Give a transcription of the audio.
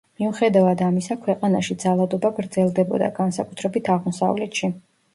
მიუხედავად ამისა ქვეყანაში ძალადობა გრძელდებოდა, განსაკუთრებით აღმოსავლეთში.